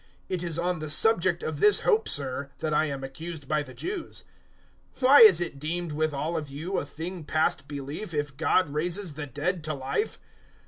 It is on the subject of this hope, Sir, that I am accused by the Jews. 026:008 Why is it deemed with all of you a thing past belief if God raises the dead to life?